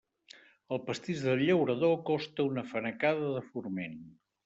El pastís del llaurador costa una fanecada de forment.